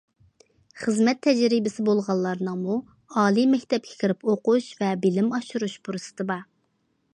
خىزمەت تەجرىبىسى بولغانلارنىڭمۇ ئالىي مەكتەپكە كىرىپ ئوقۇش ۋە بىلىم ئاشۇرۇش پۇرسىتى بار.